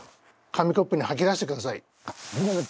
紙コップにはき出してください。